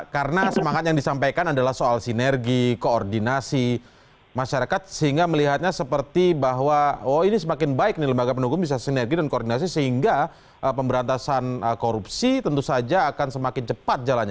karena semangat yang disampaikan adalah soal sinergi koordinasi masyarakat sehingga melihatnya seperti bahwa oh ini semakin baik nih lembaga penegak hukum bisa sinergi dan koordinasi sehingga pemberantasan korupsi tentu saja akan semakin cepat jalannya